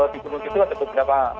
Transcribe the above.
di gunung kidul ada beberapa